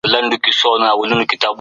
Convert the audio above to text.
نوم بدلول حقيقت نه بدلوي.